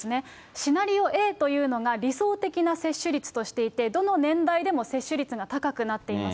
シナリオＡというのが、理想的な接種率としていて、どの年代でも接種率が高くなっています。